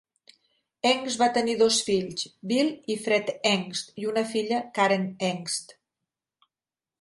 Engst va tenir dos fills, Bill i Fred Engst i una filla, Karen Engst.